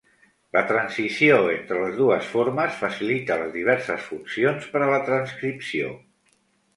La transició entre les dues formes facilita las diverses funcions per a la transcripció.